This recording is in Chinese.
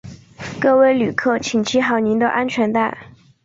各位旅客请系好你的安全带